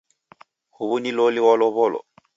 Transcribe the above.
Huw'u ni loli walow'olo?